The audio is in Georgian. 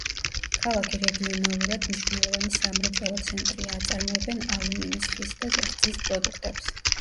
ქალაქი რეგიონალურად მნიშვნელოვანი სამრეწველო ცენტრია, აწარმოებენ ალუმინის, ხის და რძის პროდუქტებს.